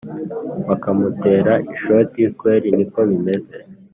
bakamutera ishoti kweri niko bimeze